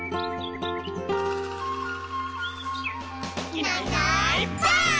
「いないいないばあっ！」